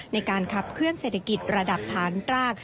ในการขับเคลื่อเศรษฐกิจระดับฐานราก